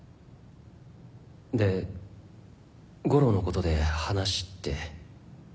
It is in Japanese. で悟郎のことで話って？